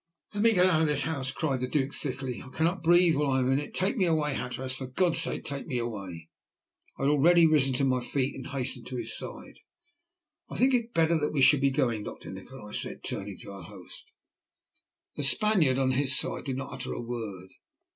"Let me get out of this house," cried the Duke thickly. "I cannot breathe while I am in it. Take me away, Hatteras; for God's sake take me away!" I had already risen to my feet and had hastened to his side. "I think it would be better that we should be going, Doctor Nikola," I said, turning to our host. The Spaniard, on his side, did not utter a word.